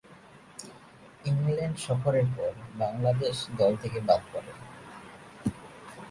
England সফরের পর বাংলাদেশ দল থেকে বাদ পড়েন।